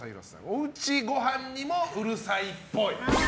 おうちご飯にもうるさいっぽい。